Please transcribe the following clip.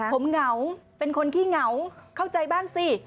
เป็นคนที่เหงาเป็นคนที่เหงาเข้าใจบ้างสิ